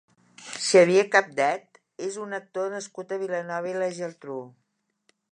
Xavier Capdet és un actor nascut a Vilanova i la Geltrú.